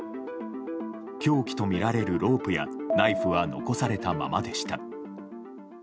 凶器とみられるロープやナイフは残されたままでした。